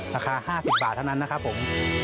ราคา๕๐บาทเท่านั้นนะครับผม